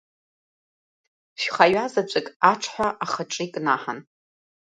Шәхаҩа заҵәык аҽҳәа ахаҿы икнаҳан.